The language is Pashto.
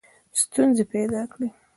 ستونزي پیدا کړي.